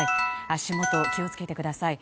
足元気を付けてください。